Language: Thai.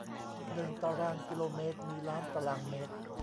หนึ่งตารางกิโลเมตร มีล้านตารางเมตร